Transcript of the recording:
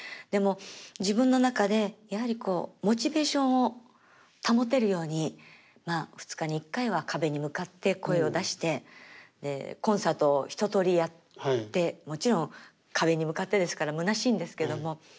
でも自分の中でやはりこうモチベーションを保てるようにまあ２日に一回は壁に向かって声を出してでコンサートを一とおりやってもちろん壁に向かってですからむなしいんですけども。